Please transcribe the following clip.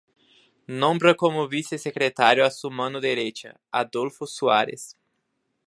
Nombra como Vicesecretario a su mano derecha, Adolfo Suárez.